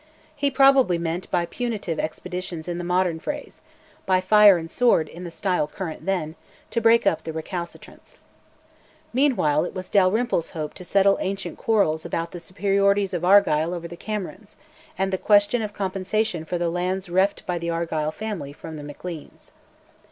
He probably meant by "punitive expeditions" in the modern phrase by "fire and sword," in the style current then to break up the recalcitrants. Meanwhile it was Dalrymple's hope to settle ancient quarrels about the "superiorities" of Argyll over the Camerons, and the question of compensation for the lands reft by the Argyll family from the Macleans.